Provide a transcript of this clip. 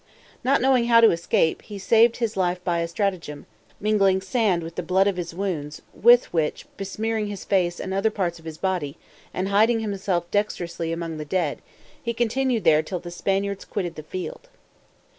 Not knowing how to escape, he saved his life by a stratagem; mingling sand with the blood of his wounds, with which besmearing his face, and other parts of his body, and hiding himself dextrously among the dead, he continued there till the Spaniards quitted the field.